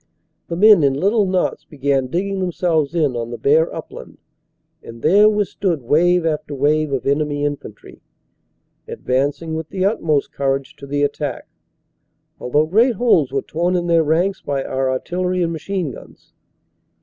The men in little knots began digging themselves in on the bare upland, and there withstood wave after wave of enemy infantry, advancing with the utmost courage to the attack, although great holes were torn in their ranks by our artillery and machine guns.